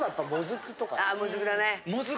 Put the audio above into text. あもずくだね。